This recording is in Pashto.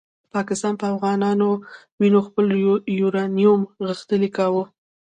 پاکستان په افغانانو وینو خپل یورانیوم غښتلی کاوه.